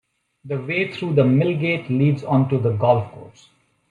The way through the mill gate leads onto the golf course.